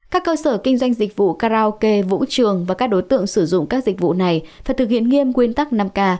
các cơ sở kinh doanh dịch vụ karaoke vũ trường và các đối tượng sử dụng các dịch vụ này phải thực hiện nghiêm quyên tắc năm k